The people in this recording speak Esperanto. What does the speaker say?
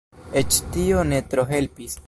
Eĉ tio ne tro helpis.